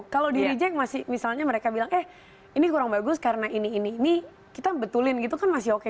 kalau di reject masih misalnya mereka bilang eh ini kurang bagus karena ini ini kita betulin gitu kan masih oke